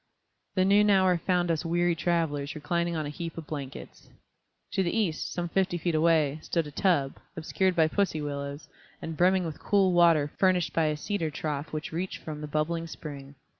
The noon hour found us weary travelers reclining on a heap of blankets. To the east, some fifty feet away, stood a tub, obscured by pussy willows, and brimming with cool water furnished by a cedar trough which reached from the bubbling spring.